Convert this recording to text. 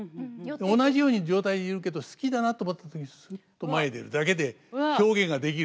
同じような状態でいるけど好きだなと思った時にすっと前へ出るだけで表現ができるという。